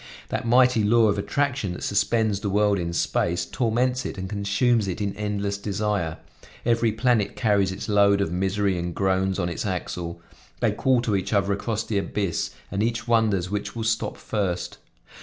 That mighty law of attraction that suspends the world in space, torments it and consumes it in endless desire; every planet carries its load of misery and groans on its axle; they call to each other across the abyss and each wonders which will stop first.